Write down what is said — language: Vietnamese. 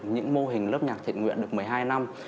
những mô hình lớp nhạc thiện nguyện được một mươi hai năm